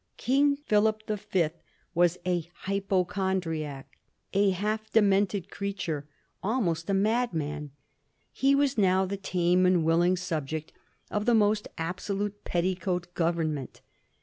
King Philip the Fifth was a hypochondriac, a half demented creature, almost a madman. He was now the tame and willing subject of the most absolute petticoat government.